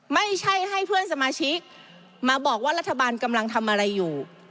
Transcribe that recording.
ไม่ใช่ให้เพื่อนสมาชิกมาบอกว่ารัฐบาลกำลังทำอะไรอยู่